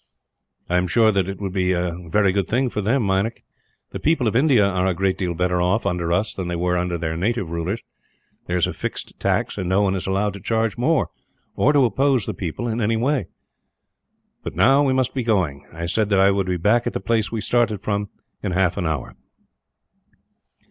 "I am sure that it would be a good thing for them, Meinik. The people of India are a great deal better off, under us, than they were under their native rulers. There is a fixed tax, and no one is allowed to charge more, or to oppress the people in any way. "But now we must be going. I said that I would be back at the place we started from, in half an hour."